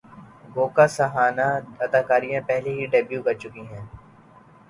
گوکہ سہانا اداکاری میں پہلے ہی ڈیبیو کرچکی ہیں